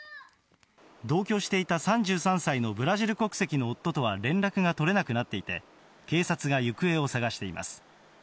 同居していた３３歳のブラジル国籍の夫とは連絡が取れなくなっていて、警察が行方を捜しています。